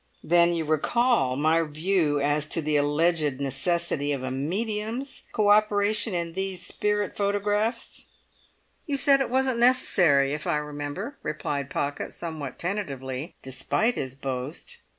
"Then you recall my view as to the alleged necessity of a medium's co operation in these spirit photographs?" "You said it wasn't necessary, if I remember," replied Pocket somewhat tentatively, despite his boast.